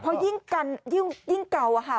เพราะยิ่งกันยิ่งเก่าอะค่ะ